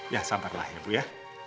ya sabarlah ya bu ya